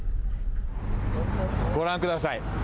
ご覧ください。